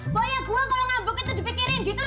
pokoknya gue kalau ngambuk itu dipikirin gitu dong